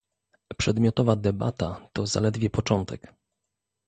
Przedmiotowa debata to zaledwie początek